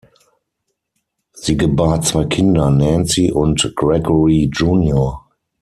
Sie gebar zwei Kinder, Nancy und Gregory Jr.